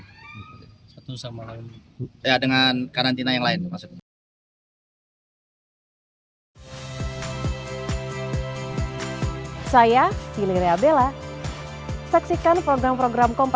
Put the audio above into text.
untuk sementara ini kita satukan tapi terpisah dengan yang lain